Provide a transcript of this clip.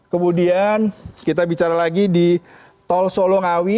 kemudian kita bicara lagi di tol solongawi